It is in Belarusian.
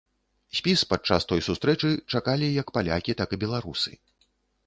Спіс падчас той сустрэчы чакалі як палякі, так і беларусы.